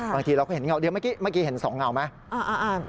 บางทีเราก็เห็นเงาเดียวเมื่อกี้เห็นสองเงาไหม